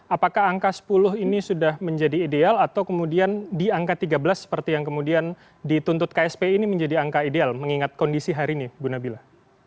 apakah angka sepuluh ini sudah menjadi ideal atau kemudian di angka tiga belas seperti yang kemudian dituntut kspi ini menjadi angka ideal mengingat kondisi hari ini bu nabila